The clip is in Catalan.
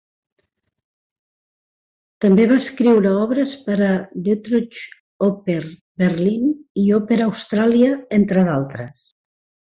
També va escriure obres per a Deutsche Oper Berlin i Opera Australia entre d'altres.